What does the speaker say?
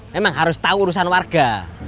memang harus tahu urusan warga